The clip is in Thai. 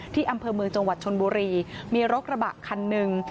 ที่อำเภอเมืองจังหวัดชนบุรีมีรถกระบะคันหนึ่ง